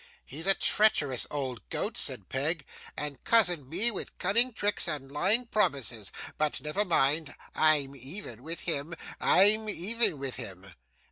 'He's a treacherous old goat,' said Peg, 'and cozened me with cunning tricks and lying promises, but never mind. I'm even with him. I'm even with him.